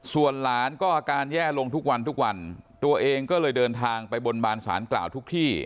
ส่วนหลานก็อาการแย่ลงทุกวันทุกวันตัวเองก็เลยเดินทางไปบนบานสารกล่าวทุกที่